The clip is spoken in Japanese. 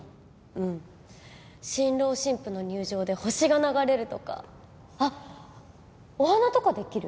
うん新郎新婦の入場で星が流れるとかあっお花とかできる？